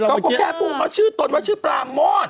เขาก็แค่พูดเขาชื่อตนว่าชื่อปราโมด